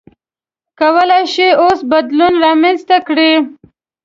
کولای شئ اوس بدلون رامنځته کړئ.